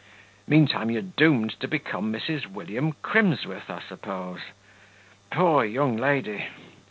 Meantime you're doomed to become Mrs. William Crimsworth, I suppose; poor young lady?